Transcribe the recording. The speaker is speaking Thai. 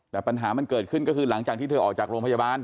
แต่ปัญหามันเกิดขึ้นก็คือหลังจากที่เธอออกจากโรงพยาบาล